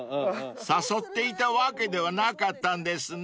［誘っていたわけではなかったんですね］